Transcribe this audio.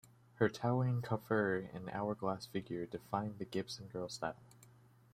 Her towering coiffure and hourglass figure defined the Gibson Girl style.